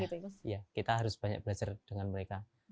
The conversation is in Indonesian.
iya kita harus banyak belajar dengan mereka